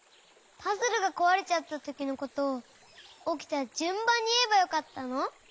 パズルがこわれちゃったときのことをおきたじゅんばんにいえばよかったの？